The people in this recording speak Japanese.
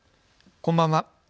こんばんは。